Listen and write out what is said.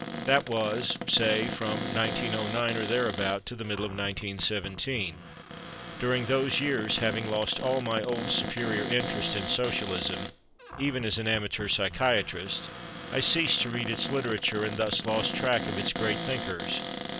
That was, say, from 1909 or thereabout to the middle of 1917. During those years, having lost all my old superior interest in Socialism, even as an amateur psychiatrist, I ceased to read its literature, and thus lost track of its Great Thinkers.